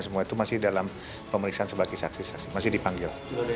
semua itu masih dalam pemeriksaan sebagai saksi saksi masih dipanggil